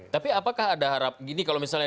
tapi apakah ada harap gini kalau misalnya